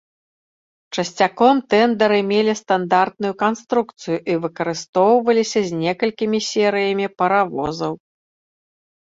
Часцяком, тэндары мелі стандартную канструкцыю і выкарыстоўваліся з некалькімі серыямі паравозаў.